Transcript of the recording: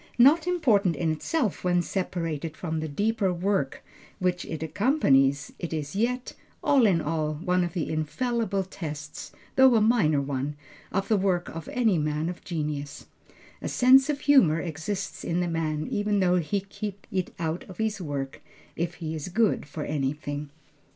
Not important in itself when separated from the deeper work which it accompanies, it is yet, all in all, one of the infallible tests, though a minor one, of the work of any man of genius. A sense of humor exists in the man even though he keep it out of his work, if he is good for anything.